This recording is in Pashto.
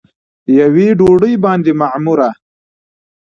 یوې ډوډۍ باندې معموره